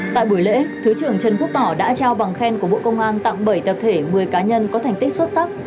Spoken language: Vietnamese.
tại buổi lễ thứ trưởng trần quốc tỏ đã trao bằng khen của bộ công an tặng bảy tập thể một mươi cá nhân có thành tích xuất sắc